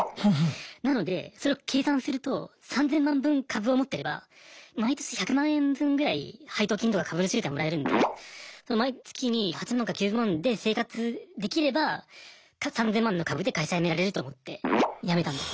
なのでそれを計算すると３０００万分株を持ってれば毎年１００万円分ぐらい配当金とか株主優待もらえるんで毎月に８万か９万で生活できれば３０００万の株で会社辞められると思って辞めたんですよ。